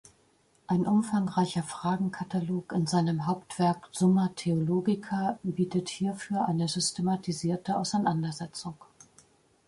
Ein umfangreicher Fragenkatalog in seinem Hauptwerk "Summa theologica" bietet hierfür eine systematisierte Auseinandersetzung.